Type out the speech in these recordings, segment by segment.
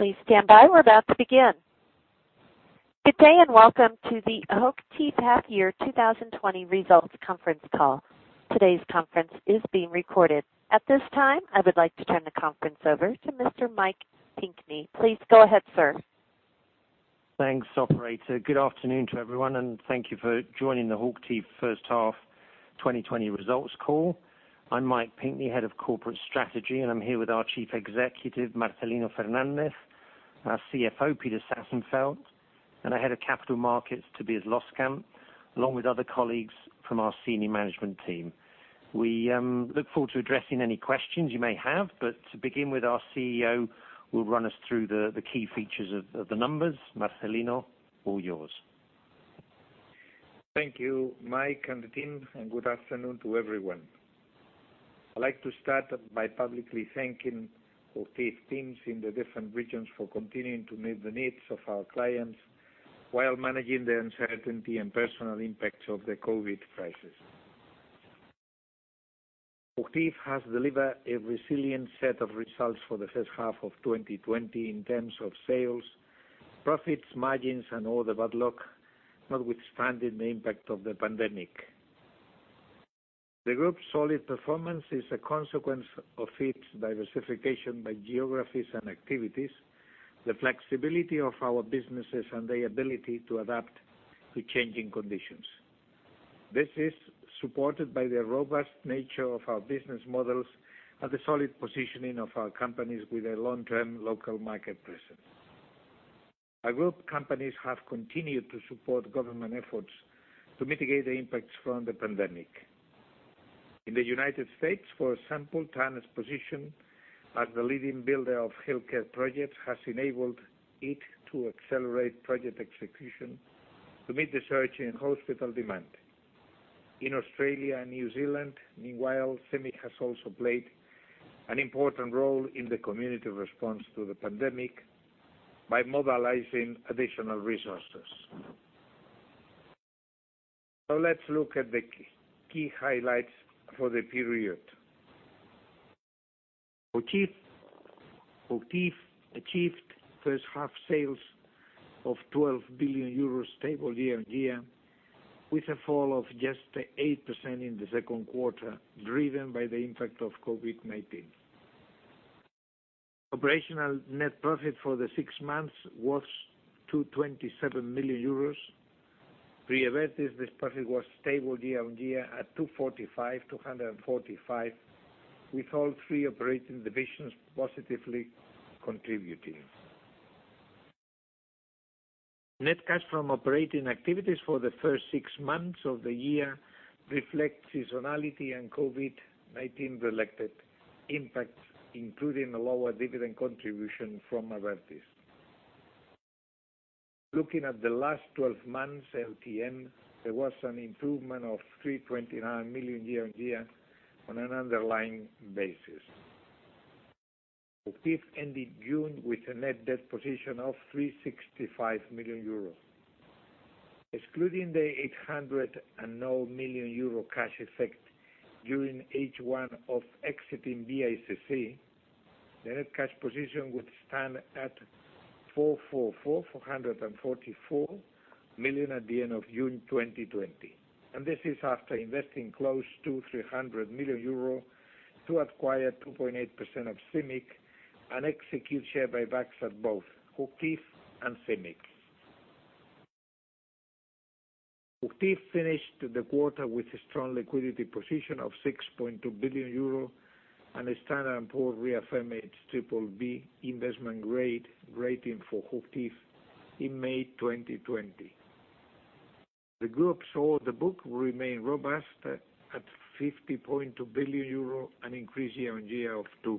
Please stand by. We're about to begin. Good day and welcome to the HOCHTIEF Half Year 2020 Results Conference Call. Today's conference is being recorded. At this time, I would like to turn the conference over to Mr. Mike Pinkney. Please go ahead, sir. Thanks, Operator. Good afternoon to everyone, and thank you for joining the HOCHTIEF First Half 2020 Results Call. I'm Mike Pinkney, Head of Corporate Strategy, and I'm here with our Chief Executive, Marcelino Fernández; our CFO, Peter Sassenfeld; and our Head of Capital Markets, Tobias Loskamp, along with other colleagues from our Senior Management Team. We look forward to addressing any questions you may have, but to begin with, our CEO will run us through the key features of the numbers. Marcelino, all yours. Thank you, Mike, and the team, and good afternoon to everyone. I'd like to start by publicly thanking HOCHTIEF teams in the different regions for continuing to meet the needs of our clients while managing the uncertainty and personal impacts of the COVID crisis. HOCHTIEF has delivered a resilient set of results for the first half of 2020 in terms of sales, profits, margins, and all the bad luck notwithstanding the impact of the pandemic. The group's solid performance is a consequence of its diversification by geographies and activities, the flexibility of our businesses, and the ability to adapt to changing conditions. This is supported by the robust nature of our business models and the solid positioning of our companies with a long-term local market presence. Our group companies have continued to support government efforts to mitigate the impacts from the pandemic. In the United States, for example, Turner's position as the leading builder of healthcare projects has enabled it to accelerate project execution to meet the surge in hospital demand. In Australia and New Zealand, meanwhile, CIMIC has also played an important role in the community response to the pandemic by mobilizing additional resources. Let's look at the key highlights for the period. HOCHTIEF achieved first half sales of 12 billion euros stable year on year, with a fall of just 8% in the second quarter driven by the impact of COVID-19. Operational net profit for the six months was 227 million euros. Pre-COVID, this profit was stable year on year at 245 to 245, with all three operating divisions positively contributing. Net cash from operating activities for the first six months of the year reflects seasonality and COVID-19 related impacts, including a lower dividend contribution from Abertis. Looking at the last 12 months LTM, there was an improvement of 329 million year-on-year on an underlying basis. HOCHTIEF ended June with a net debt position of 365 million euro. Excluding the 809 million euro cash effect during H1 of exiting BICC, the net cash position would stand at 444 million at the end of June 2020, and this is after investing close to 300 million euro to acquire 2.8% of CIMIC and execute share buybacks at both HOCHTIEF and CIMIC. HOCHTIEF finished the quarter with a strong liquidity position of 6.2 billion euro and a Standard & Poor's reaffirmed BBB investment grade rating for HOCHTIEF in May 2020. The group's order book remained robust at EUR 50.2 billion and increased year-on-year by 2%.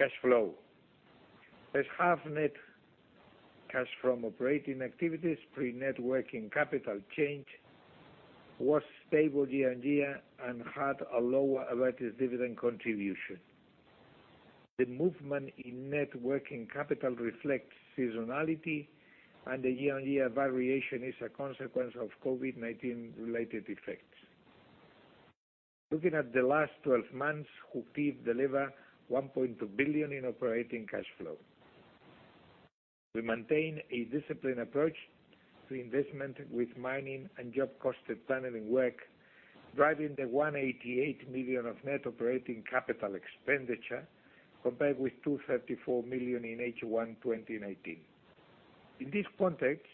Cash flow. There's half net cash from operating activities. Pre-net working capital change was stable year-on-year and had a lower Abertis dividend contribution. The movement in net working capital reflects seasonality, and the year-on-year variation is a consequence of COVID-19-related effects. Looking at the last 12 months, HOCHTIEF delivered €1.2 billion in operating cash flow. We maintain a disciplined approach to investment with mining and job-costed planning work, driving the €188 million of net operating capital expenditure compared with €234 million in H1 2019. In this context,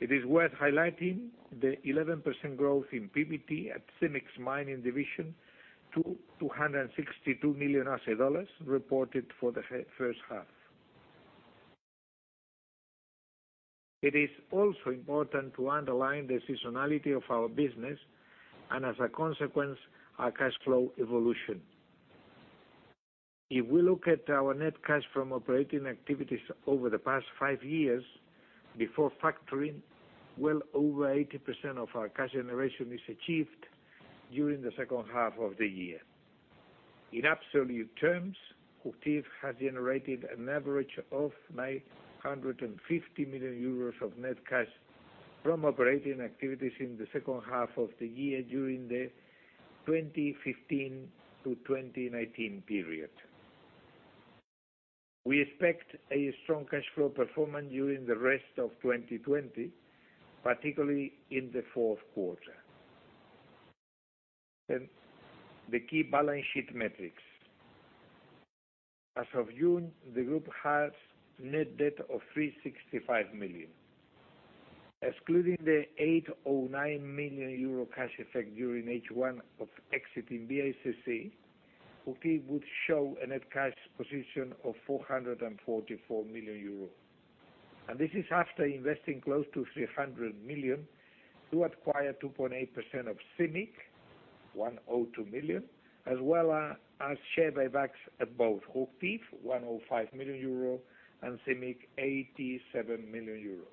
it is worth highlighting the 11% growth in PBT at CIMIC's mining division to 262 million dollars reported for the first half. It is also important to underline the seasonality of our business and, as a consequence, our cash flow evolution. If we look at our net cash from operating activities over the past five years before factoring, well over 80% of our cash generation is achieved during the second half of the year. In absolute terms, HOCHTIEF has generated an average of 950 million euros of net cash from operating activities in the second half of the year during the 2015-2019 period. We expect a strong cash flow performance during the rest of 2020, particularly in the fourth quarter. Then, the key balance sheet metrics. As of June, the group has net debt of 365 million. Excluding the 809 million euro cash effect during H1 of exiting BICC, HOCHTIEF would show a net cash position of 444 million euro, and this is after investing close to 300 million to acquire 2.8% of CIMIC, 102 million, as well as share buybacks at both HOCHTIEF, 105 million euro, and CIMIC, 87 million euro.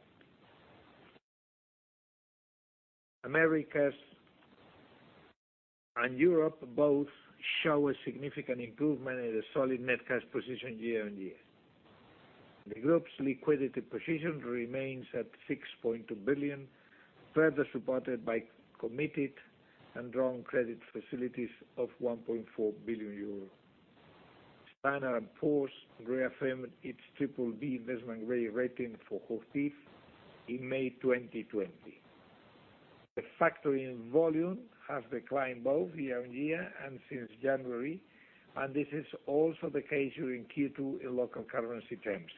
Americas and Europe both show a significant improvement in the solid net cash position year-on-year. The group's liquidity position remains at 6.2 billion, further supported by committed and drawn credit facilities of 1.4 billion euros. Standard & Poor's reaffirmed its BBB investment grade rating for HOCHTIEF in May 2020. The factoring volume has declined both year-over-year and since January, and this is also the case during Q2 in local currency terms.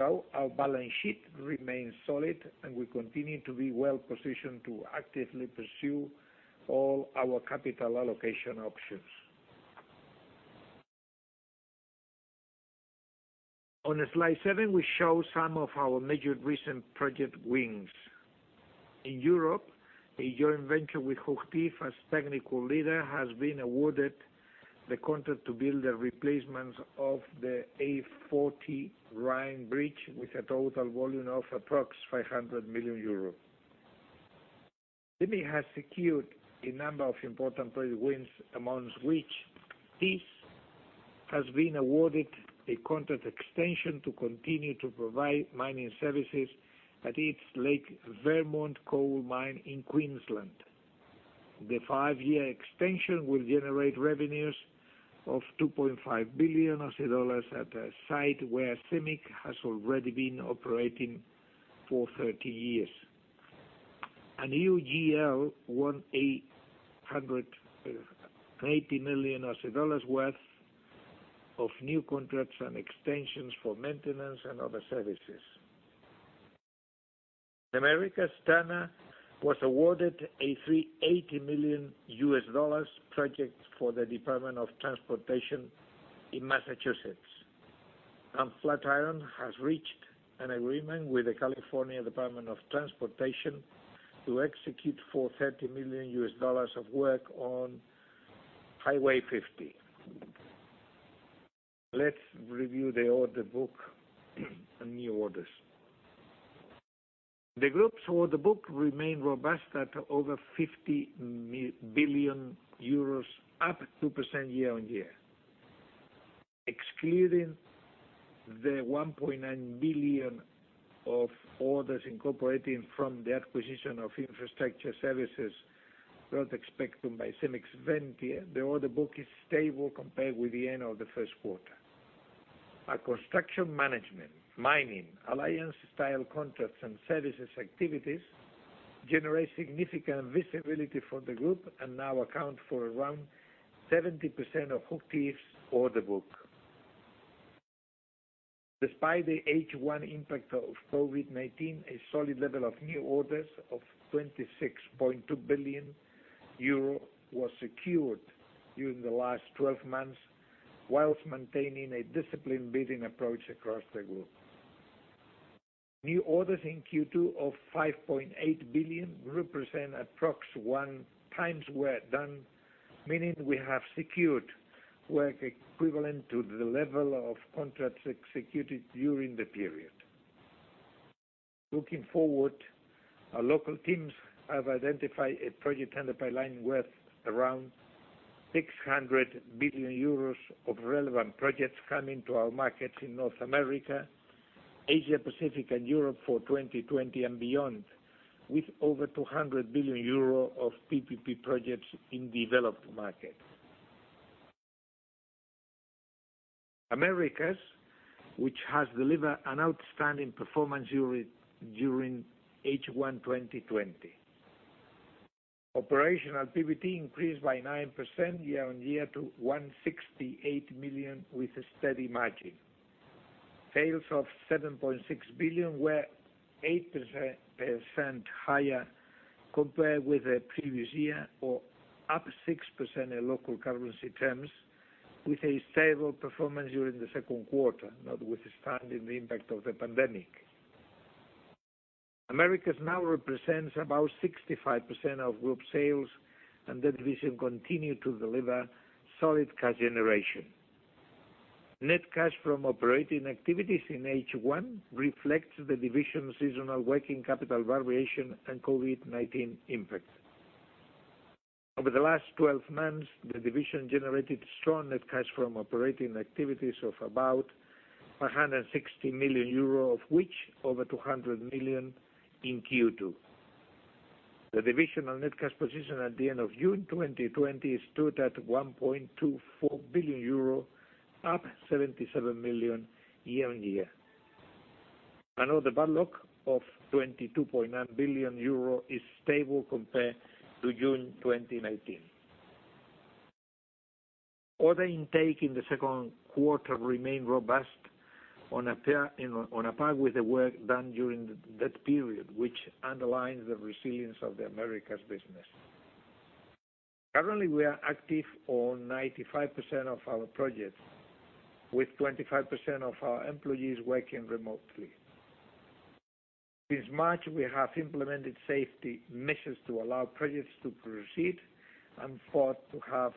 So our balance sheet remains solid, and we continue to be well positioned to actively pursue all our capital allocation options. On slide 7, we show some of our major recent project wins. In Europe, a joint venture with HOCHTIEF as technical leader has been awarded the contract to build the replacements of the A40 Rhine Bridge, with a total volume of approximately 500 million euros. Thiess has secured a number of important project wins, among which Thiess has been awarded a contract extension to continue to provide mining services at its Lake Vermont coal mine in Queensland. The 5-year extension will generate revenues of 2.5 billion dollars at a site where Thiess has already been operating for 30 years. A new UGL, AUD 180 million worth of new contracts and extensions for maintenance and other services. In America, Turner was awarded a $380 million project for the Department of Transportation in Massachusetts, and Flatiron has reached an agreement with the California Department of Transportation to execute $430 million of work on Highway 50. Let's review the order book and new orders. The group's order book remained robust at over 50 billion euros, up 2% year-on-year. Excluding the 1.9 billion of orders incorporating from the acquisition of infrastructure services work expected by CIMIC's venture, the order book is stable compared with the end of the first quarter. Our construction management, mining, alliance-style contracts, and services activities generate significant visibility for the group and now account for around 70% of HOCHTIEF's order book. Despite the H1 impact of COVID-19, a solid level of new orders of 26.2 billion euro was secured during the last 12 months while maintaining a disciplined bidding approach across the group. New orders in Q2 of 5.8 billion represent approximately one times work done, meaning we have secured work equivalent to the level of contracts executed during the period. Looking forward, our local teams have identified a project pipeline worth around 600 billion euros of relevant projects coming to our markets in North America, Asia-Pacific, and Europe for 2020 and beyond, with over 200 billion euro of PPP projects in developed markets. Americas, which has delivered an outstanding performance during H1 2020. Operational PBT increased by 9% year-over-year to 168 million with a steady margin. Sales of 7.6 billion were 8% higher compared with the previous year, up 6% in local currency terms, with a stable performance during the second quarter, notwithstanding the impact of the pandemic. Americas now represents about 65% of group sales, and the division continues to deliver solid cash generation. Net cash from operating activities in H1 reflects the division's seasonal working capital variation and COVID-19 impact. Over the last 12 months, the division generated strong net cash from operating activities of about 160 million euro, of which over 200 million in Q2. The divisional net cash position at the end of June 2020 stood at 1.24 billion euro, up 77 million year on year. Another backlog of 22.9 billion euro is stable compared to June 2019. Order intake in the second quarter remained robust on a par with the work done during that period, which underlines the resilience of America's business. Currently, we are active on 95% of our projects, with 25% of our employees working remotely. Since March, we have implemented safety measures to allow projects to proceed and fought to have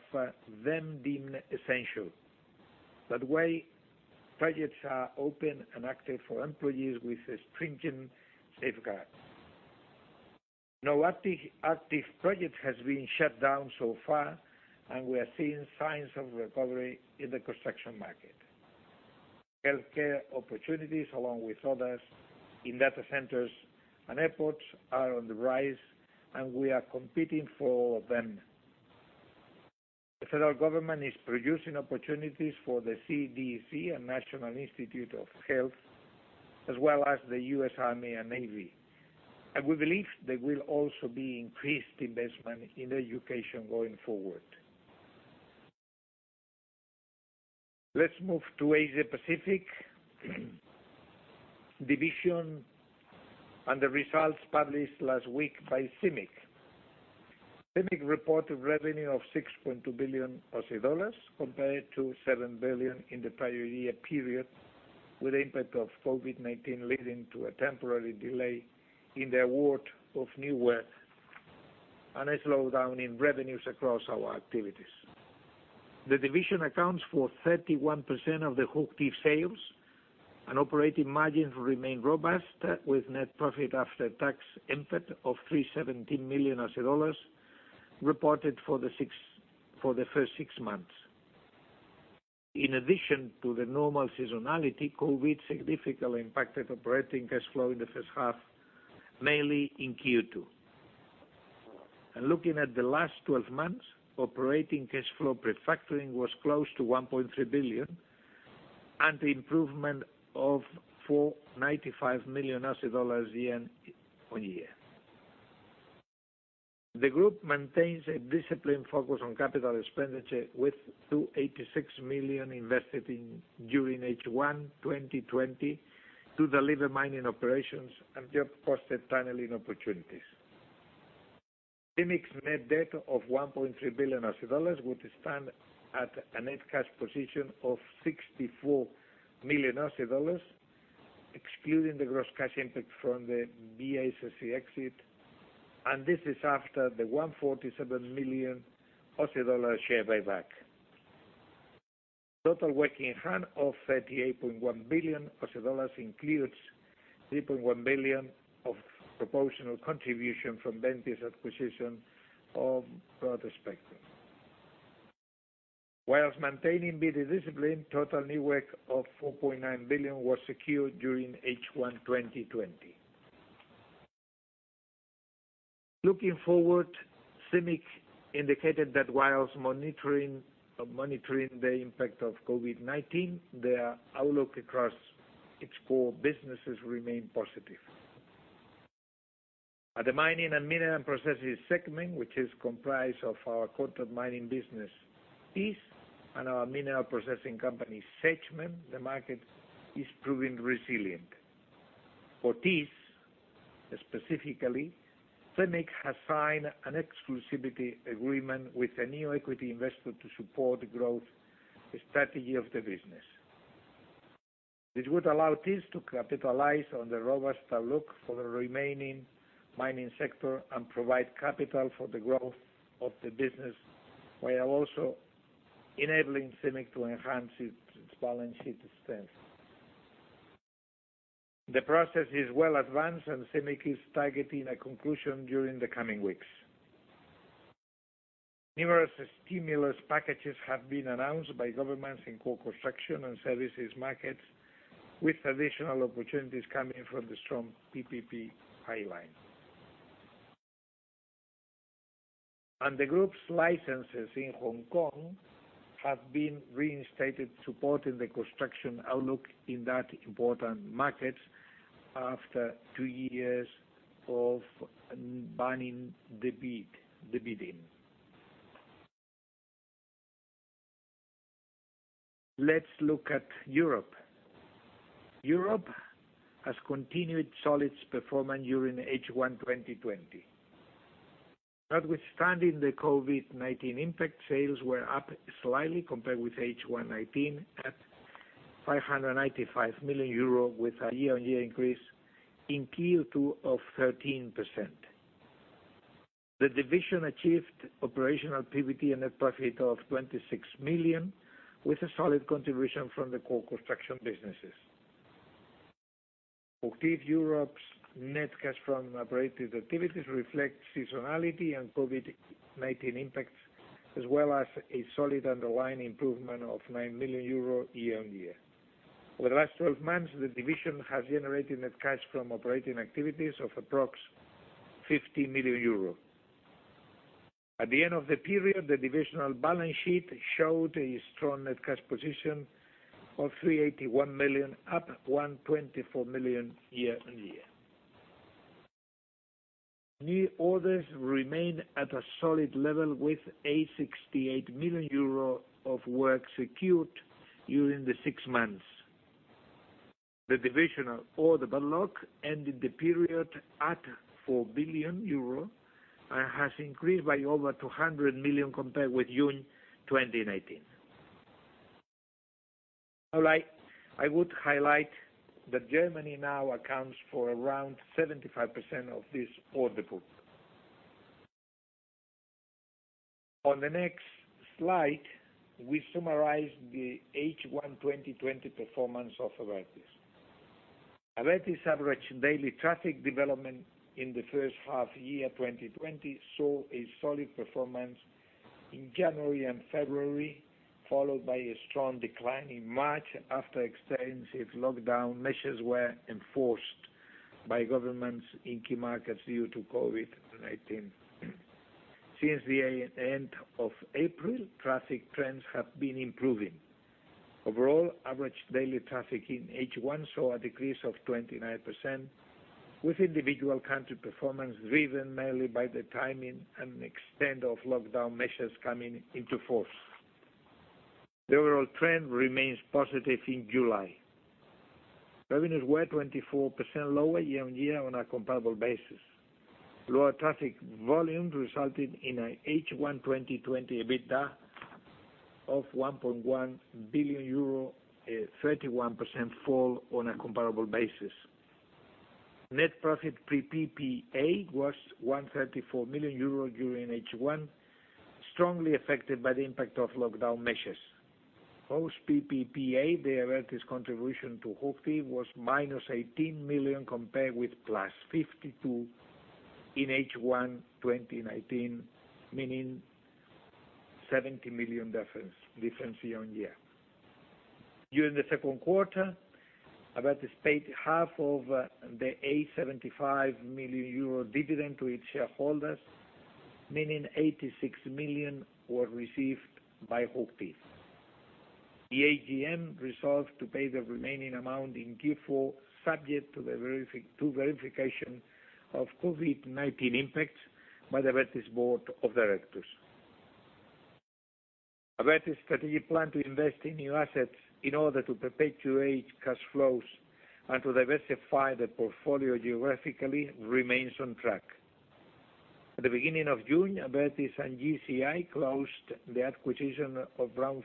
them deemed essential. That way, projects are open and active for employees with a stringent safeguard. No active project has been shut down so far, and we are seeing signs of recovery in the construction market. Healthcare opportunities, along with others in data centers and airports, are on the rise, and we are competing for all of them. The federal government is producing opportunities for the CDC, the National Institutes of Health, as well as the U.S. Army and U.S. Navy, and we believe there will also be increased investment in education going forward. Let's move to Asia-Pacific Division and the results published last week by CIMIC. CIMIC reported revenue of 6.2 billion Aussie dollars compared to 7 billion in the prior year period, with the impact of COVID-19 leading to a temporary delay in the award of new work and a slowdown in revenues across our activities. The division accounts for 31% of the HOCHTIEF sales, and operating margins remain robust, with net profit after tax impact of 317 million dollars reported for the first six months. In addition to the normal seasonality, COVID significantly impacted operating cash flow in the first half, mainly in Q2. Looking at the last 12 months, operating cash flow pre-factoring was close to 1.3 billion and the improvement of 495 million dollars year-on-year. The group maintains a disciplined focus on capital expenditure, with 286 million invested during H1 2020 to deliver mining operations and job-costed planning opportunities. CIMIC's net debt of 1.3 billion dollars would stand at a net cash position of 64 million dollars excluding the gross cash impact from the BIC exit, and this is after the 147 million dollar share buyback. Total work in hand of AUD 38.1 billion includes 3.1 billion dollars of proportional contribution from Ventia acquisition of broader spectrum. While maintaining bidding discipline, total new work of 4.9 billion was secured during H1 2020. Looking forward, CIMIC indicated that while monitoring the impact of COVID-19, their outlook across its core businesses remained positive. At the mining and mineral processing segment, which is comprised of our contractmining business Thiess and our mineral processing company Sedgman, the market is proving resilient. For Thiess specifically, CIMIC has signed an exclusivity agreement with a new equity investor to support the growth strategy of the business. This would allow Thiess to capitalize on the robust outlook for the remaining mining sector and provide capital for the growth of the business while also enabling CIMIC to enhance its balance sheet strength. The process is well advanced, and CIMIC is targeting a conclusion during the coming weeks. Numerous stimulus packages have been announced by governments in core construction and services markets, with additional opportunities coming from the strong PPP pipeline. The group's licenses in Hong Kong have been reinstated, supporting the construction outlook in that important market after two years of banning the bidding. Let's look at Europe. Europe has continued solid performance during H1 2020. Notwithstanding the COVID-19 impact, sales were up slightly compared with H1 2019 at 595 million euro, with a year-on-year increase in Q2 of 13%. The division achieved operational PBT and net profit of $26 million, with a solid contribution from the core construction businesses. HOCHTIEF Europe's net cash from operating activities reflects seasonality and COVID-19 impacts, as well as a solid underlying improvement of 9 million euro year-on-year. Over the last 12 months, the division has generated net cash from operating activities of approximately 50 million euros. At the end of the period, the divisional balance sheet showed a strong net cash position of $381 million, up $124 million year on year. New orders remain at a solid level, with 868 million euro of work secured during the six months. The divisional order backlog ended the period at 4 billion euro and has increased by over 200 million compared with June 2019. All right. I would highlight that Germany now accounts for around 75% of this order book. On the next slide, we summarize the H1 2020 performance of Abertis. Abertis averaged daily traffic development in the first half year 2020, saw a solid performance in January and February, followed by a strong decline in March after extensive lockdown measures were enforced by governments in key markets due to COVID-19. Since the end of April, traffic trends have been improving. Overall, average daily traffic in H1 saw a decrease of 29%, with individual country performance driven mainly by the timing and extent of lockdown measures coming into force. The overall trend remains positive in July. Revenues were 24% lower year on year on a comparable basis. Lower traffic volumes resulted in an H1 2020 EBITDA of 1.1 billion euro, a 31% fall on a comparable basis. Net profit PPA was 134 million euros during H1, strongly affected by the impact of lockdown measures. Post-PPA, the Abertis contribution to HOCHTIEF was minus 18 million compared with plus 52 million in H1 2019, meaning 70 million difference year on year. During the second quarter, Abertis paid half of the 875 million euro dividend to its shareholders, meaning 86 million were received by HOCHTIEF. The AGM resolved to pay the remaining amount in Q4 subject to verification of COVID-19 impact by the Abertis board of directors. Abertis' strategic plan to invest in new assets in order to perpetuate cash flows and to diversify the portfolio geographically remains on track. At the beginning of June, Abertis and GIC closed the acquisition of Red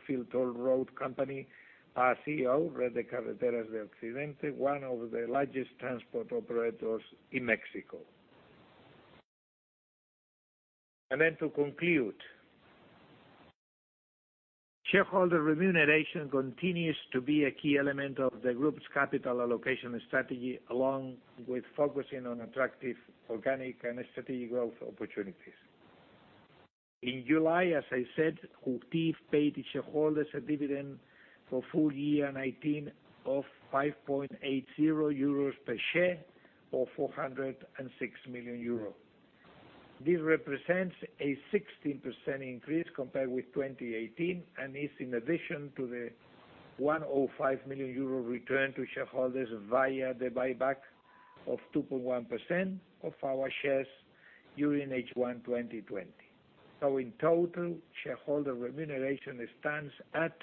de Carreteras de Occidente, one of the largest transport operators in Mexico. And then to conclude, shareholder remuneration continues to be a key element of the group's capital allocation strategy, along with focusing on attractive organic and strategic growth opportunities. In July, as I said, HOCHTIEF paid its shareholders a dividend for full year 2019 of 5.80 euros per share or 406 million euros. This represents a 16% increase compared with 2018 and is in addition to the 105 million euro return to shareholders via the buyback of 2.1% of our shares during H1 2020. So in total, shareholder remuneration stands at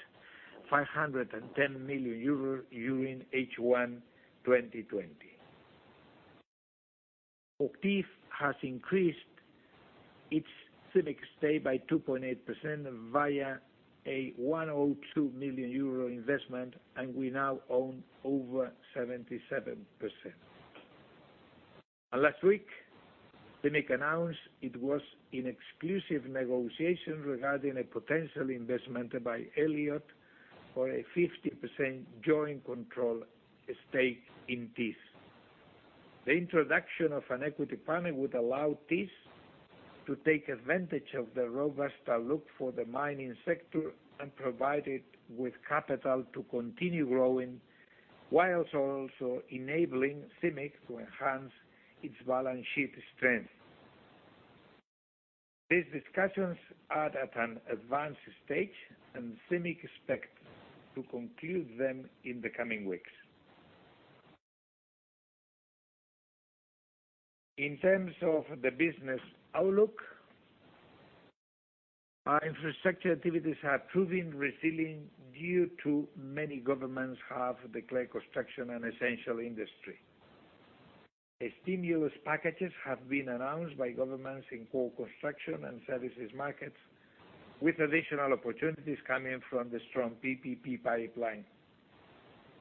510 million euros during H1 2020. HOCHTIEF has increased its CIMIC stake by 2.8% via a 102 million euro investment, and we now own over 77%. Last week, CIMIC announced it was in exclusive negotiation regarding a potential investment by Elliott for a 50% joint control stake in Thiess. The introduction of an equity partner would allow Thiess to take advantage of the robust outlook for the mining sector and provide it with capital to continue growing while also enabling CIMIC to enhance its balance sheet strength. These discussions are at an advanced stage, and CIMIC expects to conclude them in the coming weeks. In terms of the business outlook, our infrastructure activities are proving resilient due to many governments have declared construction an essential industry. Stimulus packages have been announced by governments in core construction and services markets, with additional opportunities coming from the strong PPP pipeline.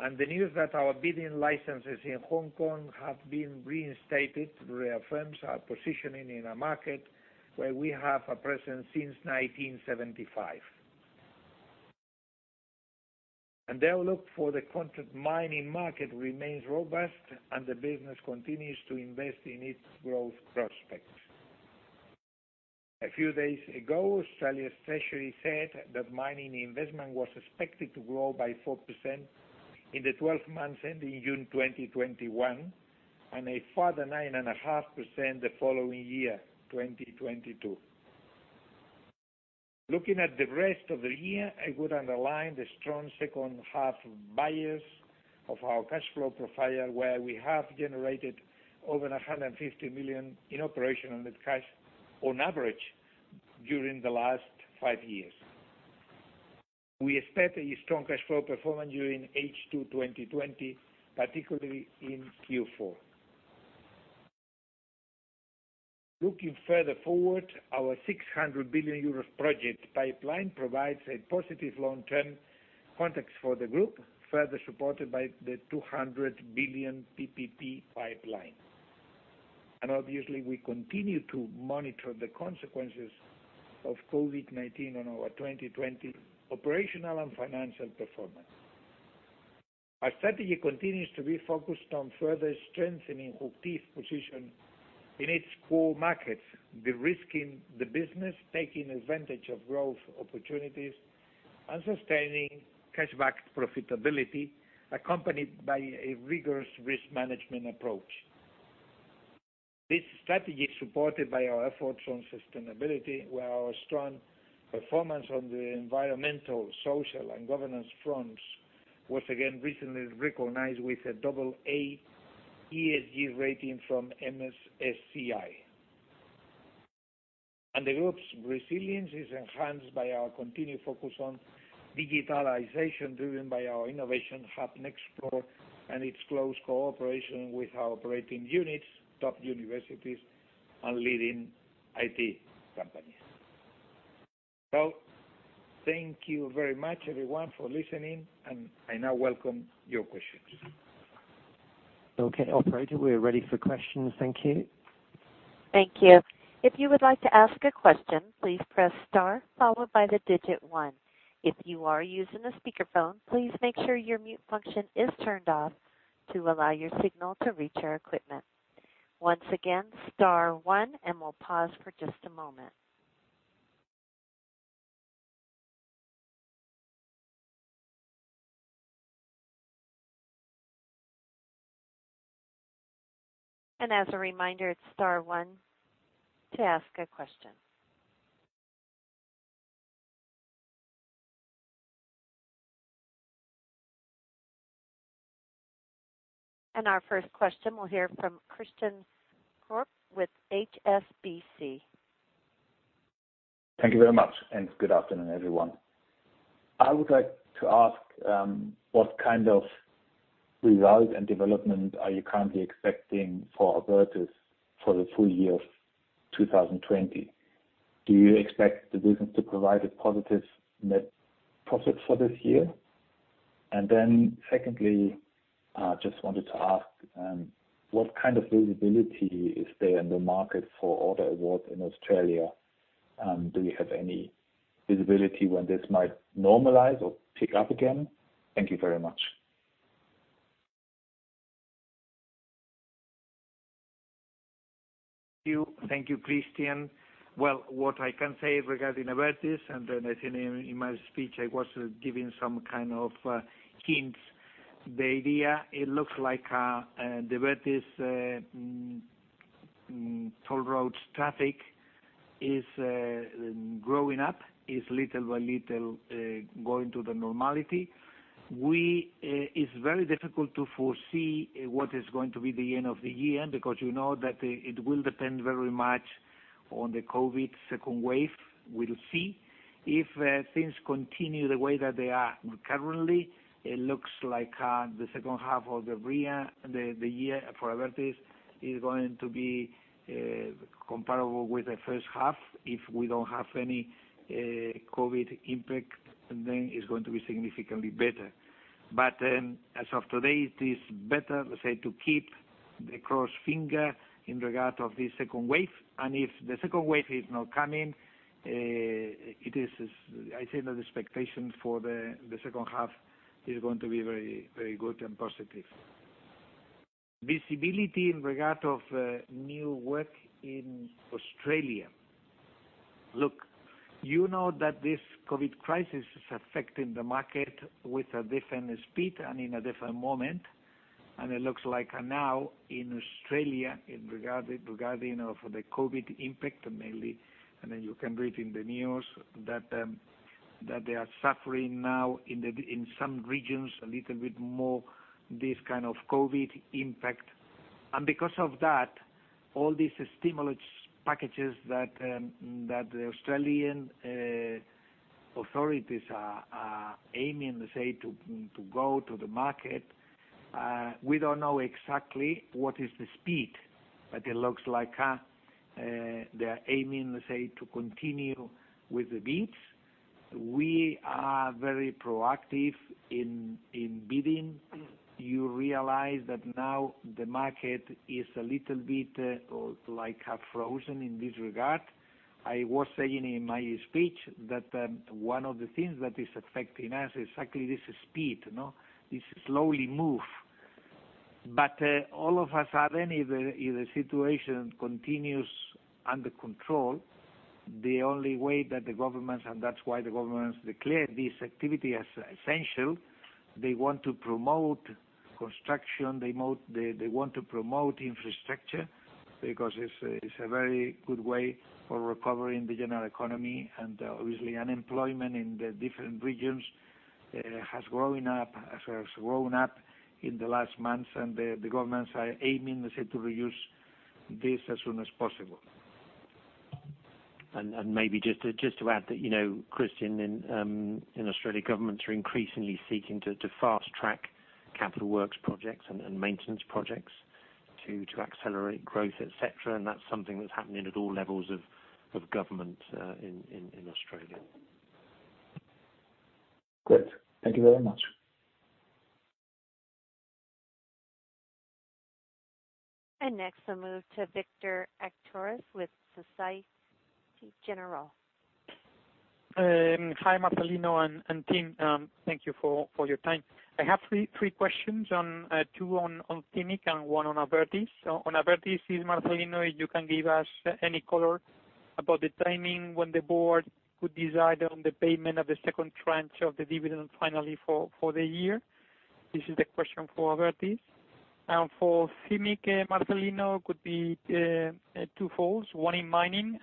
The news that our bidding licenses in Hong Kong have been reinstated reaffirms our positioning in a market where we have a presence since 1975. The outlook for the contract mining market remains robust, and the business continues to invest in its growth prospects. A few days ago, Australia's Treasury said that mining investment was expected to grow by 4% in the 12 months ending June 2021 and a further 9.5% the following year, 2022. Looking at the rest of the year, I would underline the strong second half bias of our cash flow profile where we have generated over $150 million in operational net cash on average during the last five years. We expect a strong cash flow performance during H2 2020, particularly in Q4. Looking further forward, our 600 billion euros project pipeline provides a positive long-term context for the group, further supported by the 200 billion PPP pipeline. Obviously, we continue to monitor the consequences of COVID-19 on our 2020 operational and financial performance. Our strategy continues to be focused on further strengthening HOCHTIEF position in its core markets, de-risking the business, taking advantage of growth opportunities, and sustaining cash-backed profitability accompanied by a rigorous risk management approach. This strategy is supported by our efforts on sustainability, where our strong performance on the environmental, social, and governance fronts was again recently recognized with a double A ESG rating from MSCI. The group's resilience is enhanced by our continued focus on digitalization driven by our innovation hub Nexplore and its close cooperation with our operating units, top universities, and leading IT companies. So thank you very much, everyone, for listening, and I now welcome your questions. Okay. Operator, we are ready for questions. Thank you. Thank you. If you would like to ask a question, please press star followed by the digit one. If you are using a speakerphone, please make sure your mute function is turned off to allow your signal to reach our equipment. Once again, star one, and we'll pause for just a moment. And as a reminder, it's star one to ask a question. And our first question, we'll hear from Christian Krock with HSBC. Thank you very much, and good afternoon, everyone. I would like to ask, what kind of result and development are you currently expecting for Abertis for the full year of 2020? Do you expect the business to provide a positive net profit for this year? And then secondly, I just wanted to ask, what kind of visibility is there in the market for order awards in Australia? Do you have any visibility when this might normalize or pick up again? Thank you very much. Thank you, Christian. Well, what I can say regarding Abertis, and then I think in my speech I was giving some kind of hints, the idea it looks like the Abertis toll road traffic is growing up, is little by little going to the normality. It's very difficult to foresee what is going to be the end of the year because you know that it will depend very much on the COVID second wave. We'll see. If things continue the way that they are currently, it looks like the second half of the year for Abertis is going to be comparable with the first half. If we don't have any COVID impact, then it's going to be significantly better. But as of today, it is better, let's say, to keep the cross finger in regard to this second wave. And if the second wave is not coming, I think that the expectation for the second half is going to be very, very good and positive. Visibility in regard to new work in Australia. Look, you know that this COVID crisis is affecting the market with a different speed and in a different moment. And it looks like now in Australia in regard to the COVID impact mainly, and then you can read in the news that they are suffering now in some regions a little bit more this kind of COVID impact. And because of that, all these stimulus packages that the Australian authorities are aiming, let's say, to go to the market, we don't know exactly what is the speed, but it looks like they are aiming, let's say, to continue with the bids. We are very proactive in bidding. You realize that now the market is a little bit frozen in this regard. I was saying in my speech that one of the things that is affecting us is exactly this speed. This slowly move. But all of a sudden, if the situation continues under control, the only way that the governments and that's why the governments declare this activity as essential, they want to promote construction. They want to promote infrastructure because it's a very good way for recovering the general economy. Obviously, unemployment in the different regions has grown up in the last months, and the governments are aiming, let's say, to reduce this as soon as possible. Maybe just to add that, Christian, in Australia, governments are increasingly seeking to fast-track capital works projects and maintenance projects to accelerate growth, etc. That's something that's happening at all levels of government in Australia. Good. Thank you very much. Next, I'll move to Victor Acitores with Société Générale. Hi, Marcelino and team. Thank you for your time. I have three questions, two on CIMIC and one on Abertis. On Abertis, is Marcelino, you can give us any color about the timing when the board could decide on the payment of the second tranche of the dividend finally for the year. This is the question for Abertis. For CIMIC, Marcelino, it could be twofold. One in mining.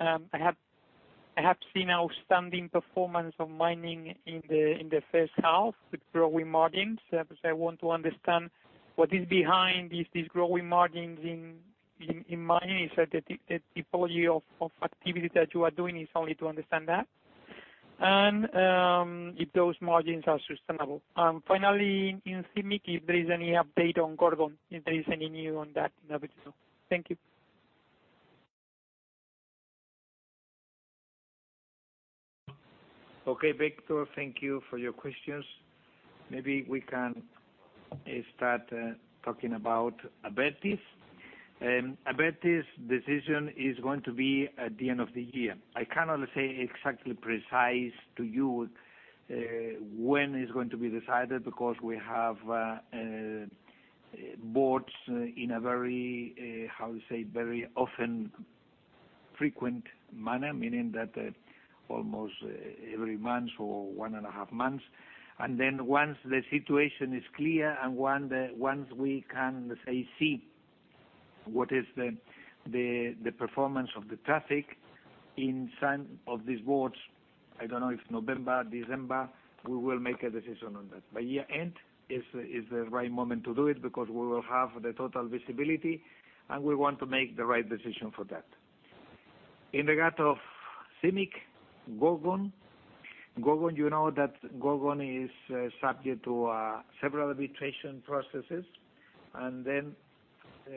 I have seen outstanding performance of mining in the first half with growing margins. I want to understand what is behind these growing margins in mining. Is it the typology of activity that you are doing? It's only to understand that. And if those margins are sustainable. And finally, in CIMIC, if there is any update on Gorgon, if there is any new on that, I would know. Thank you. Okay, Victor, thank you for your questions. Maybe we can start talking about Abertis. Abertis' decision is going to be at the end of the year. I cannot, let's say, exactly precise to you when it's going to be decided because we have boards in a very, how do you say, very often, frequent manner, meaning that almost every month or 1.5 months. Then once the situation is clear and once we can, let's say, see what is the performance of the traffic in some of these boards, I don't know if November, December, we will make a decision on that. By year-end is the right moment to do it because we will have the total visibility, and we want to make the right decision for that. In regard to CIMIC Group, you know that CIMIC Group is subject to several arbitration processes. And then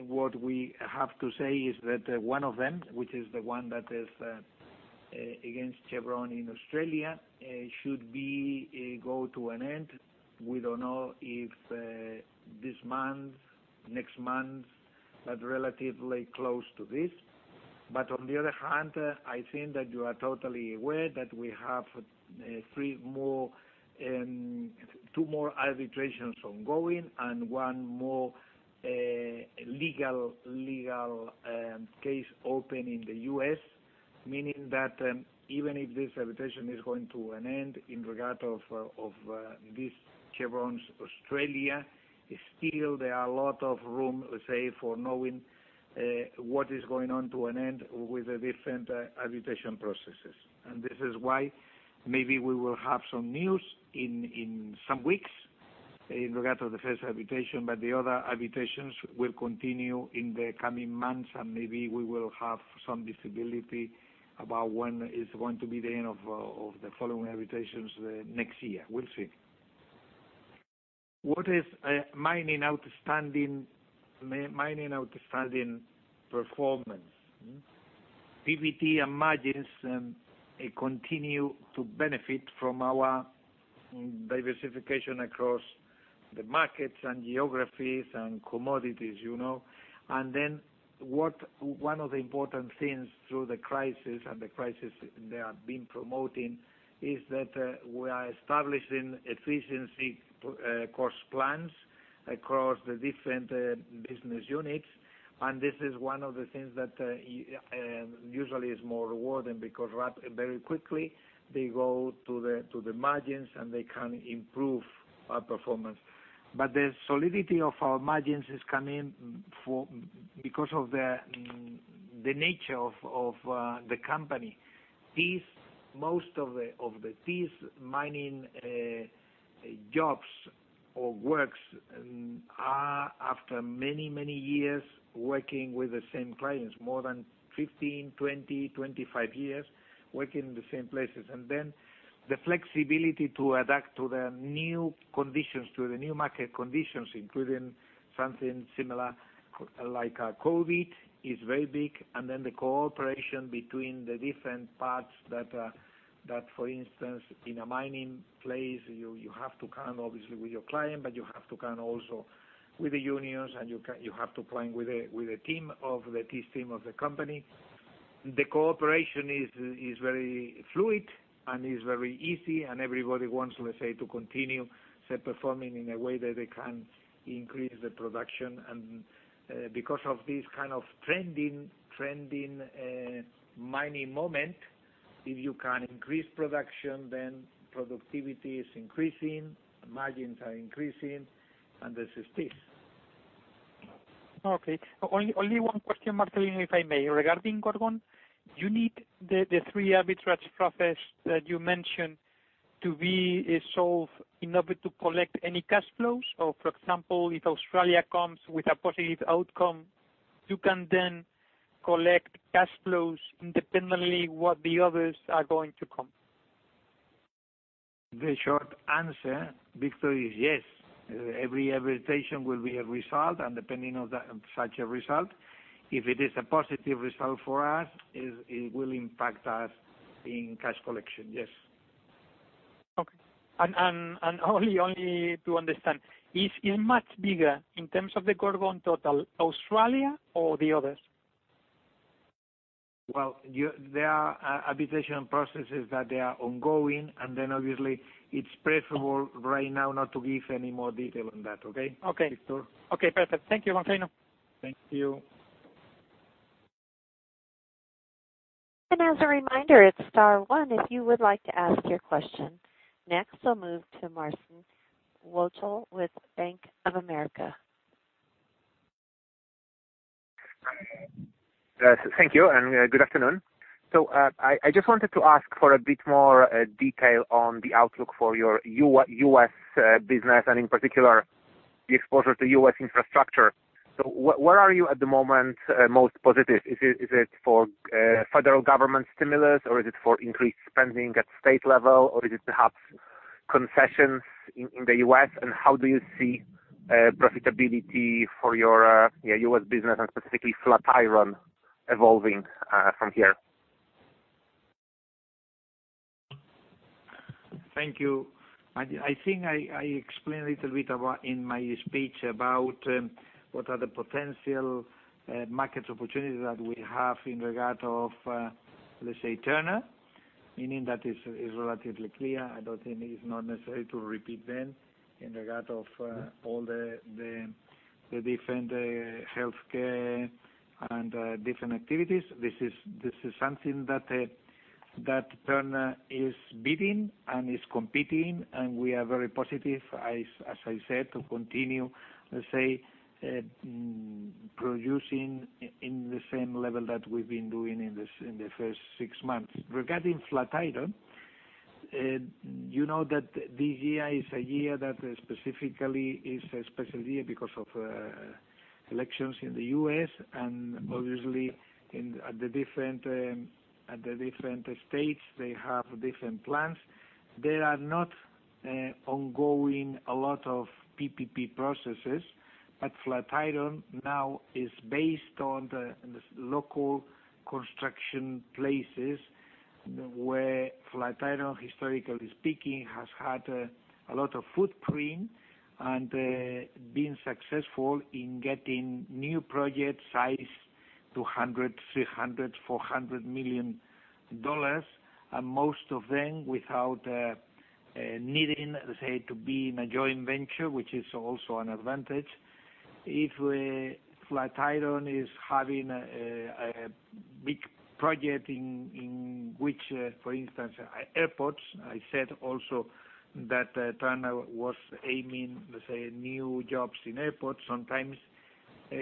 what we have to say is that one of them, which is the one that is against Chevron in Australia, should go to an end. We don't know if this month, next month, but relatively close to this. But on the other hand, I think that you are totally aware that we have two more arbitrations ongoing and one more legal case open in the U.S., meaning that even if this arbitration is going to an end in regard to this Chevron's Australia, still there are a lot of room, let's say, for knowing what is going on to an end with the different arbitration processes. And this is why maybe we will have some news in some weeks in regard to the first arbitration, but the other arbitrations will continue in the coming months, and maybe we will have some visibility about when it's going to be the end of the following arbitrations next year. We'll see. What is mining outstanding performance? PBT and margins continue to benefit from our diversification across the markets and geographies and commodities. Then one of the important things through the crisis and the crisis they are being promoting is that we are establishing efficiency cost plans across the different business units. And this is one of the things that usually is more rewarding because very quickly, they go to the margins, and they can improve our performance. But the solidity of our margins is coming because of the nature of the company. Most of these mining jobs or works are after many, many years working with the same clients, more than 15, 20, 25 years working in the same places. And then the flexibility to adapt to the new conditions, to the new market conditions, including something similar like COVID, is very big. And then the cooperation between the different parts that, for instance, in a mining place, you have to count, obviously, with your client, but you have to count also with the unions, and you have to plan with the team of the team of the company. The cooperation is very fluid and is very easy, and everybody wants, let's say, to continue performing in a way that they can increase the production. And because of this kind of trending mining moment, if you can increase production, then productivity is increasing, margins are increasing, and this is this. Okay. Only one question, Marcelino, if I may. Regarding Gorgon, you need the three arbitration processes that you mentioned to be solved in order to collect any cash flows? Or for example, if Australia comes with a positive outcome, you can then collect cash flows independently of what the others are going to come? The short answer, Victor, is yes. Every arbitration will be a result, and depending on such a result, if it is a positive result for us, it will impact us in cash collection. Yes. Okay. And only to understand, is much bigger in terms of the Gorgon total Australia or the others? Well, there are arbitration processes that they are ongoing, and then obviously, it's preferable right now not to give any more detail on that. Okay, Victor? Okay. Okay. Perfect. Thank you, Marcelino. Thank you. And as a reminder, it's star one if you would like to ask your question. Next, I'll move to Marcel Wochel with Bank of America. Thank you, and good afternoon. So I just wanted to ask for a bit more detail on the outlook for your U.S. business and in particular, the exposure to U.S. infrastructure. So where are you at the moment most positive? Is it for federal government stimulus, or is it for increased spending at state level, or is it perhaps concessions in the U.S.? And how do you see profitability for your U.S. business and specifically Flatiron evolving from here? Thank you. I think I explained a little bit in my speech about what are the potential market opportunities that we have in regard to, let's say, Turner, meaning that it's relatively clear. I don't think it's not necessary to repeat then in regard to all the different healthcare and different activities. This is something that Turner is bidding and is competing, and we are very positive, as I said, to continue, let's say, producing in the same level that we've been doing in the first six months. Regarding Flatiron, you know that this year is a year that specifically is a special year because of elections in the U.S. And obviously, at the different states, they have different plans. There are not ongoing a lot of PPP processes, but Flatiron now is based on the local construction places where Flatiron, historically speaking, has had a lot of footprint and been successful in getting new projects sized to $100 million, $300 million, $400 million, and most of them without needing, let's say, to be in a joint venture, which is also an advantage. If Flatiron is having a big project in which, for instance, airports, I said also that Turner was aiming, let's say, new jobs in airports. Sometimes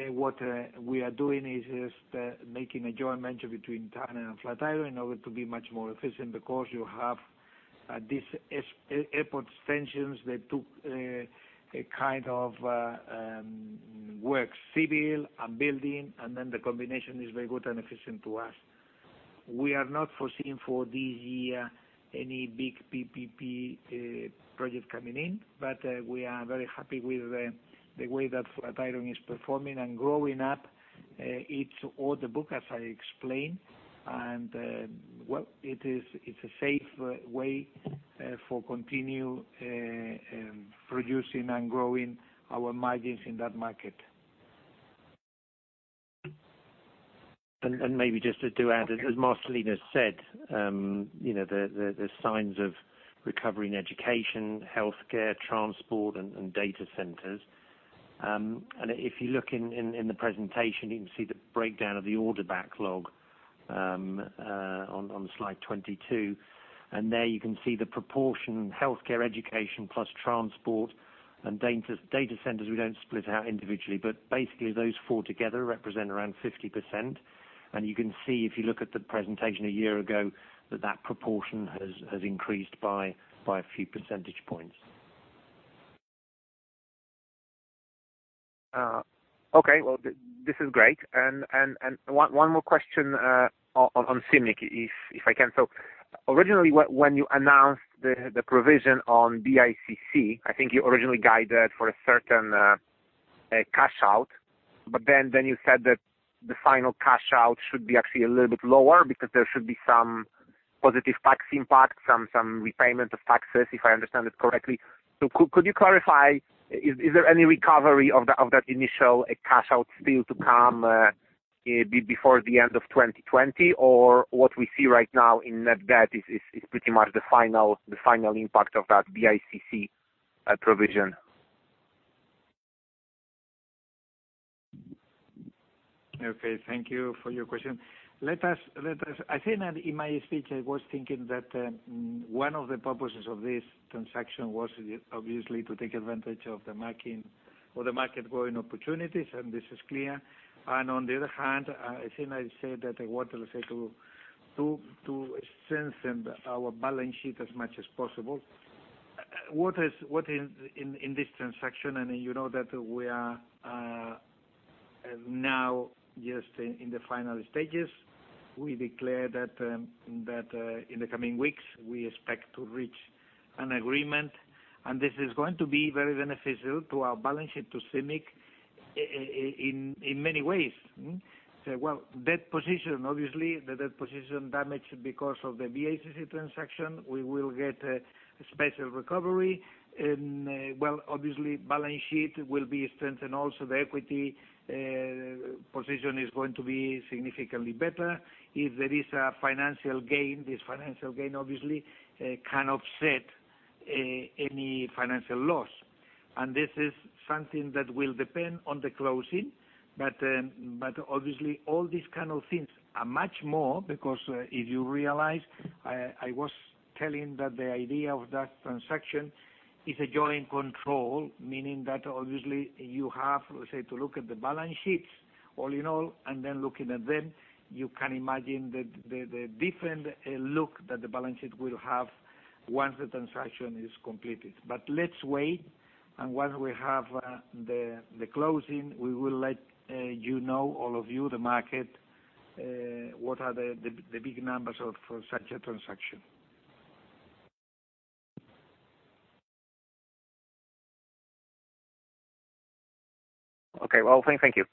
what we are doing is just making a joint venture between Turner and Flatiron in order to be much more efficient because you have these airport extensions that took a kind of work, civil and building, and then the combination is very good and efficient to us. We are not foreseeing for this year any big PPP project coming in, but we are very happy with the way that Flatiron is performing and growing up. It's all the book, as I explained. And well, it's a safe way for continuing producing and growing our margins in that market. And maybe just to add, as Marcelino said, there's signs of recovery in education, healthcare, transport, and data centers. And if you look in the presentation, you can see the breakdown of the order backlog on slide 22. And there you can see the proportion healthcare, education, plus transport, and data centers. We don't split it out individually, but basically, those four together represent around 50%. And you can see if you look at the presentation a year ago that that proportion has increased by a few percentage points. Okay. Well, this is great. And one more question on CIMIC, if I can. So originally, when you announced the provision on BICC, I think you originally guided for a certain cash out, but then you said that the final cash out should be actually a little bit lower because there should be some positive tax impact, some repayment of taxes, if I understand it correctly. So could you clarify, is there any recovery of that initial cash out still to come before the end of 2020, or what we see right now in net debt is pretty much the final impact of that BICC provision? Okay. Thank you for your question. I think that in my speech, I was thinking that one of the purposes of this transaction was obviously to take advantage of the market growing opportunities, and this is clear. On the other hand, I think I said that what I'll say to strengthen our balance sheet as much as possible. What is in this transaction? You know that we are now just in the final stages. We declare that in the coming weeks, we expect to reach an agreement. This is going to be very beneficial to our balance sheet, to CIMIC, in many ways. Well, debt position, obviously, the debt position damaged because of the BIC transaction, we will get a special recovery. Well, obviously, balance sheet will be strengthened also. The equity position is going to be significantly better. If there is a financial gain, this financial gain, obviously, can offset any financial loss. And this is something that will depend on the closing. But obviously, all these kind of things are much more because if you realize I was telling that the idea of that transaction is a joint control, meaning that obviously, you have, let's say, to look at the balance sheets all in all, and then looking at them, you can imagine the different look that the balance sheet will have once the transaction is completed. But let's wait. Once we have the closing, we will let you know, all of you, the market, what are the big numbers for such a transaction. Okay. Well, thank you.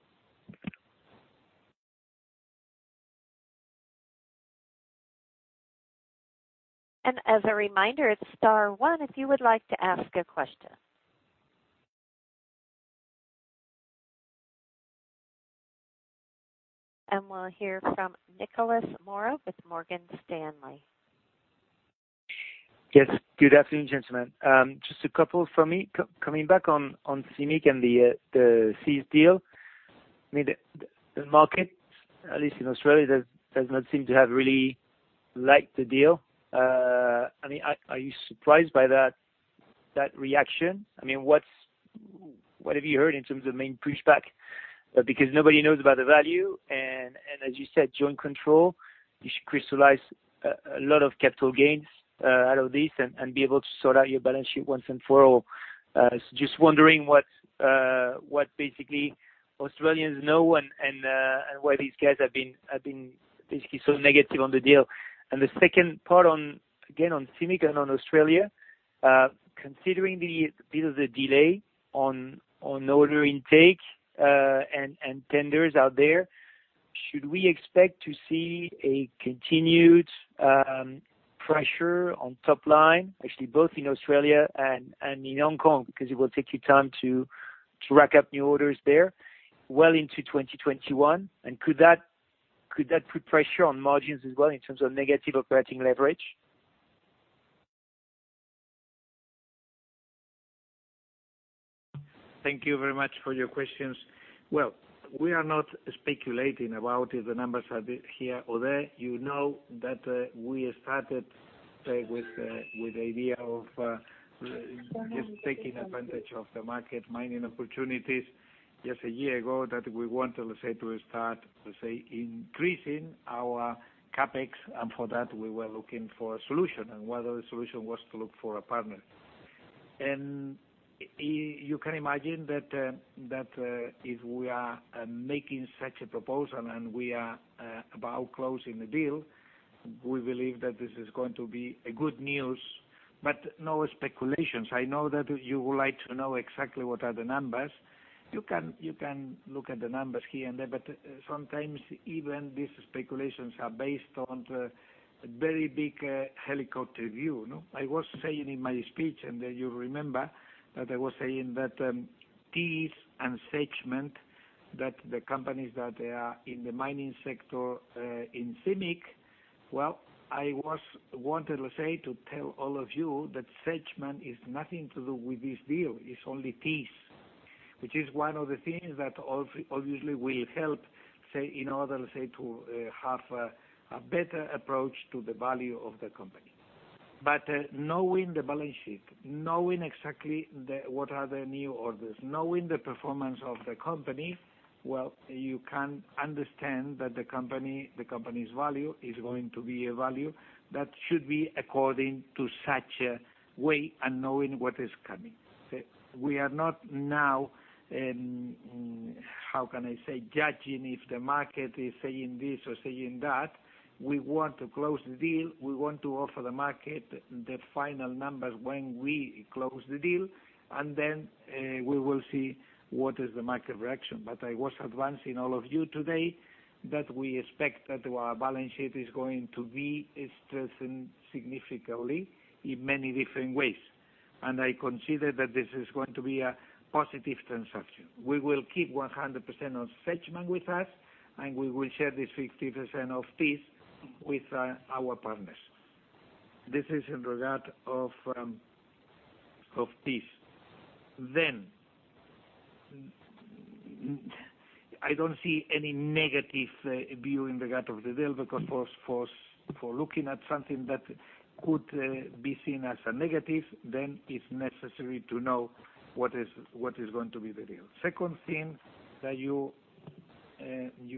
And as a reminder, it's star one if you would like to ask a question. And we'll hear from Nicholas Mora with Morgan Stanley. Yes. Good afternoon, gentlemen. Just a couple from me coming back on CIMIC and the Thiess deal. I mean, the market, at least in Australia, does not seem to have really liked the deal. I mean, are you surprised by that reaction? I mean, what have you heard in terms of main pushback? Because nobody knows about the value. And as you said, joint control, you should crystallize a lot of capital gains out of this and be able to sort out your balance sheet once and for all. So just wondering what basically Australians know and why these guys have been basically so negative on the deal. And the second part, again, on CIMIC and on Australia, considering the bit of the delay on order intake and tenders out there, should we expect to see a continued pressure on top line, actually both in Australia and in Hong Kong because it will take you time to rack up new orders there well into 2021? And could that put pressure on margins as well in terms of negative operating leverage? Thank you very much for your questions. Well, we are not speculating about if the numbers are here or there. You know that we started, say, with the idea of just taking advantage of the market mining opportunities just a year ago that we wanted, let's say, to start, let's say, increasing our CapEx. For that, we were looking for a solution. One of the solutions was to look for a partner. You can imagine that if we are making such a proposal and we are about closing the deal, we believe that this is going to be good news, but no speculations. I know that you would like to know exactly what are the numbers. You can look at the numbers here and there. But sometimes, even these speculations are based on very big helicopter view. I was saying in my speech, and then you remember that I was saying that Thiess and Sedgman, that the companies that are in the mining sector in CIMIC, well, I wanted, let's say, to tell all of you that Sedgman is nothing to do with this deal. It's only Thiess, which is one of the things that obviously will help, say, in order, let's say, to have a better approach to the value of the company. But knowing the balance sheet, knowing exactly what are the new orders, knowing the performance of the company, well, you can understand that the company's value is going to be a value that should be according to such a way and knowing what is coming. We are not now, how can I say, judging if the market is saying this or saying that. We want to close the deal. We want to offer the market the final numbers when we close the deal, and then we will see what is the market reaction. But I was advancing all of you today that we expect that our balance sheet is going to be strengthened significantly in many different ways. I consider that this is going to be a positive transaction. We will keep 100% of Sedgman with us, and we will share this 50% of Thiess with our partners. This is in regard to Thiess. Then I don't see any negative view in regard to the deal because for looking at something that could be seen as a negative, then it's necessary to know what is going to be the deal. Second thing that you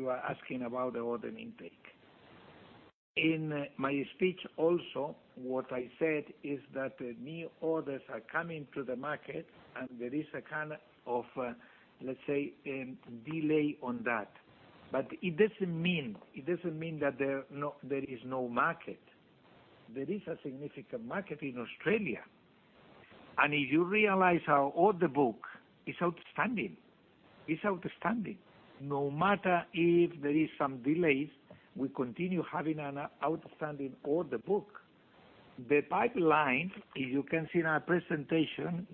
are asking about, the order intake. In my speech also, what I said is that new orders are coming to the market, and there is a kind of, let's say, delay on that. But it doesn't mean that there is no market. There is a significant market in Australia. If you realize our order book is outstanding, it's outstanding. No matter if there are some delays, we continue having an outstanding order book. The pipeline, if you can see in our presentation,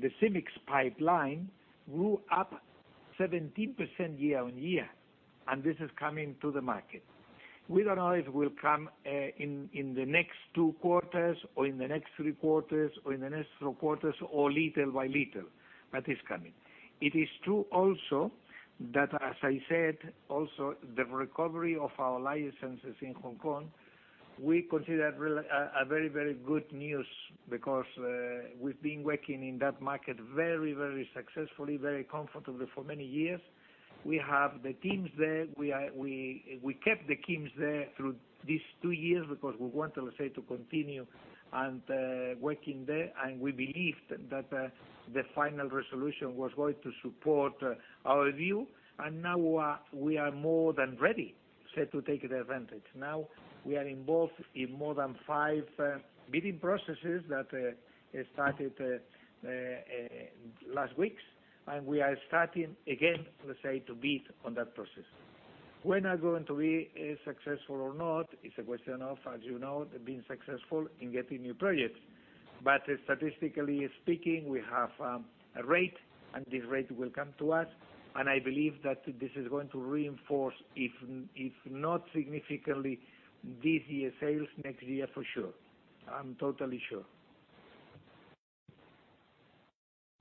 the CIMIC's pipeline grew up 17% year-on-year, and this is coming to the market. We don't know if it will come in the next two quarters or in the next three quarters or in the next four quarters or little by little, but it's coming. It is true also that, as I said, also, the recovery of our licenses in Hong Kong, we consider it a very, very good news because we've been working in that market very, very successfully, very comfortably for many years. We have the teams there. We kept the teams there through these two years because we wanted, let's say, to continue working there. And we believed that the final resolution was going to support our view. And now we are more than ready, say, to take the advantage. Now we are involved in more than five bidding processes that started last weeks, and we are starting again, let's say, to bid on that process. When are we going to be successful or not? It's a question of, as you know, being successful in getting new projects. But statistically speaking, we have a rate, and this rate will come to us. And I believe that this is going to reinforce, if not significantly, this year's sales next year for sure. I'm totally sure.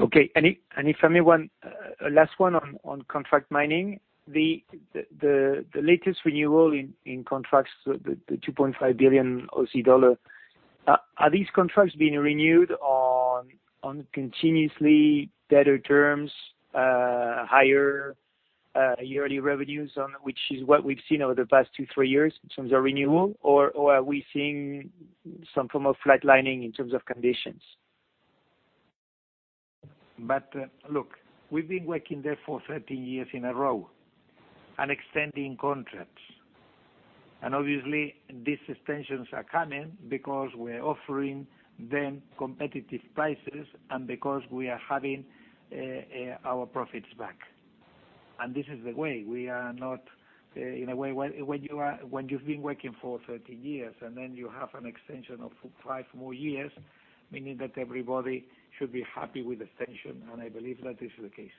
Okay. And if I may, one last one on contract mining. The latest renewal in contracts, the 2.5 billion dollar, are these contracts being renewed on continuously better terms, higher yearly revenues, which is what we've seen over the past two, three years in terms of renewal, or are we seeing some form of flatlining in terms of conditions? But look, we've been working there for 13 years in a row and extending contracts. And obviously, these extensions are coming because we're offering them competitive prices and because we are having our profits back. And this is the way. We are not, in a way, when you've been working for 13 years and then you have an extension of five more years, meaning that everybody should be happy with extension. And I believe that this is the case.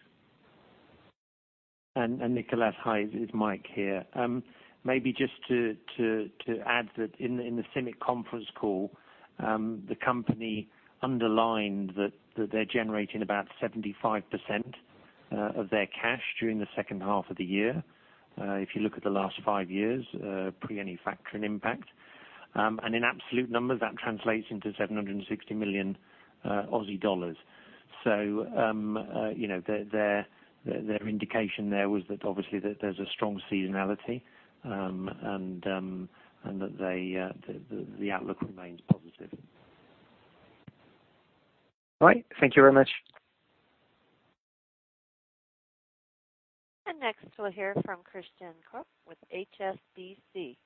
And Nicholas, hi. It's Mike here. Maybe just to add that in the CIMIC conference call, the company underlined that they're generating about 75% of their cash during the second half of the year if you look at the last five years, pre-manufacturing impact. And in absolute numbers, that translates into 760 million Aussie dollars. So their indication there was that, obviously, there's a strong seasonality and that the outlook remains positive. All right. Thank you very much. And next, we'll hear from Christian Koch with HSBC.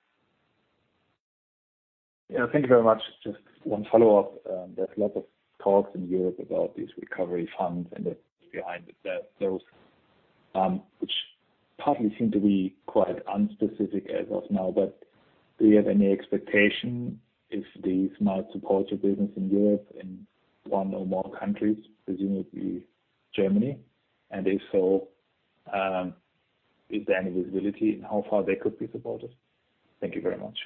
Yeah. Thank you very much. Just one follow-up. There's a lot of talks in Europe about these recovery funds and the behind those, which partly seem to be quite unspecific as of now. But do you have any expectation if these might support your business in Europe in one or more countries? Presumably, Germany. And if so, is there any visibility in how far they could be supported? Thank you very much.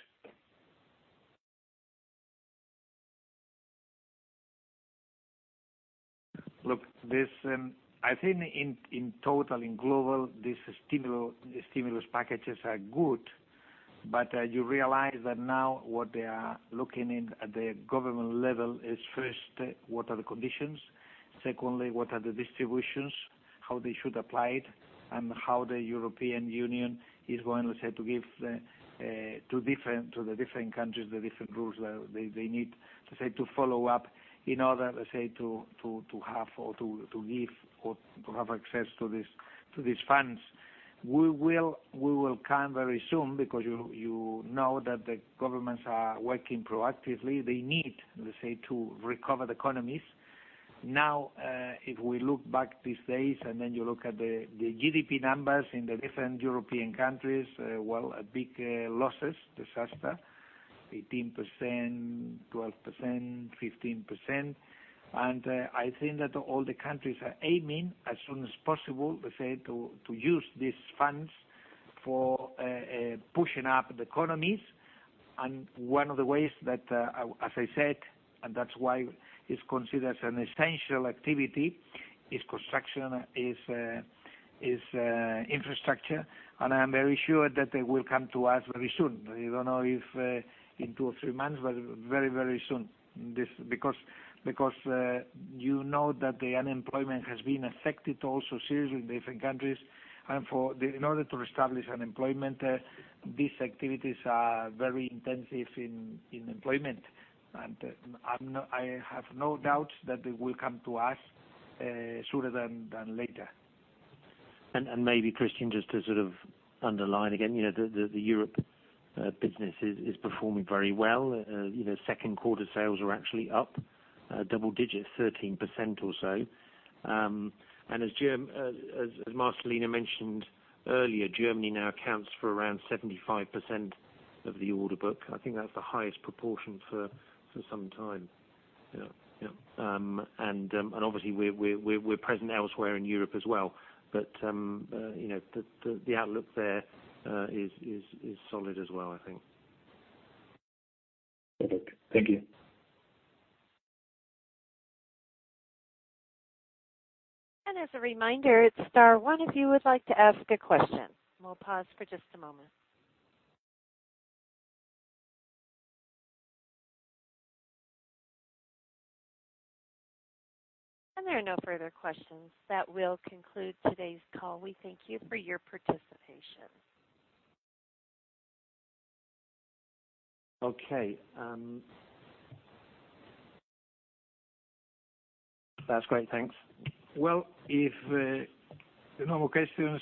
Look, I think in total, in global, these stimulus packages are good. But you realize that now what they are looking at the government level is first, what are the conditions? Secondly, what are the distributions, how they should apply it, and how the European Union is going, let's say, to give to the different countries the different rules that they need, let's say, to follow up in order, let's say, to have or to give or to have access to these funds. We will come very soon because you know that the governments are working proactively. They need, let's say, to recover the economies. Now, if we look back these days and then you look at the GDP numbers in the different European countries, well, big losses, disaster, 18%, 12%, 15%. I think that all the countries are aiming, as soon as possible, let's say, to use these funds for pushing up the economies. And one of the ways that, as I said, and that's why it's considered an essential activity is construction, is infrastructure. And I am very sure that they will come to us very soon. I don't know if in two or three months, but very, very soon because you know that the unemployment has been affected also seriously in different countries. And in order to establish unemployment, these activities are very intensive in employment. And I have no doubts that they will come to us sooner than later. And maybe, Christian, just to sort of underline again, the Europe business is performing very well. Second quarter sales are actually up double-digit, 13% or so. And as Marcelino mentioned earlier, Germany now accounts for around 75% of the order book. I think that's the highest proportion for some time. Yeah. Yeah. And obviously, we're present elsewhere in Europe as well. But the outlook there is solid as well, I think. Perfect. Thank you. And as a reminder, it's star one. If you would like to ask a question, we'll pause for just a moment. And there are no further questions. That will conclude today's call. We thank you for your participation. Okay. That's great. Thanks. Well, if the normal questions,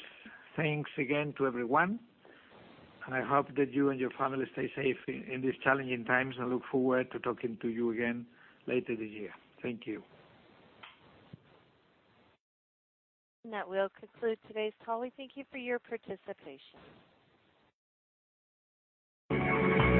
thanks again to everyone. And I hope that you and your family stay safe in these challenging times and look forward to talking to you again later this year. Thank you. And that will conclude today's call. We thank you for your participation.